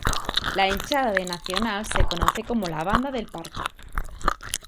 La hinchada de Nacional se conoce como "La Banda del Parque".